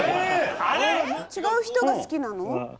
違う人が好きなの？